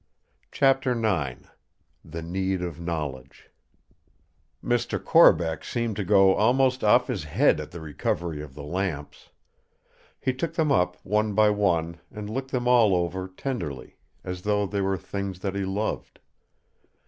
Chapter IX The Need of Knowledge Mr. Corbeck seemed to go almost off his head at the recovery of the lamps. He took them up one by one and looked them all over tenderly, as though they were things that he loved.